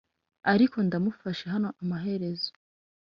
ariko ndamufashe hano amaherezo.